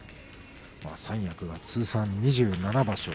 三役が通算２７場所。